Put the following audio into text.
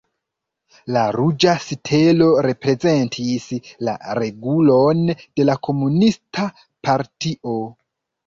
La ruĝa stelo reprezentis la regulon de la Komunista Partio.